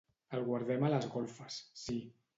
El guardem a les golfes, sí.